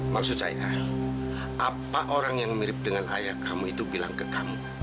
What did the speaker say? maksud saya apa orang yang mirip dengan ayah kamu itu bilang ke kamu